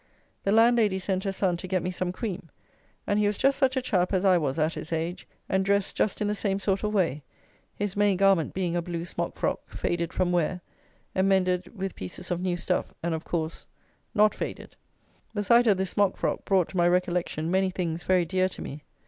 The landlady sent her son to get me some cream, and he was just such a chap as I was at his age, and dressed just in the same sort of way, his main garment being a blue smock frock, faded from wear, and mended with pieces of new stuff, and, of course, not faded. The sight of this smock frock brought to my recollection many things very dear to me.